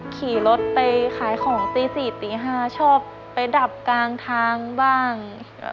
ขี่รถไปขายของตี๔ตี๕ชอบไปดับกลางทางบ้าง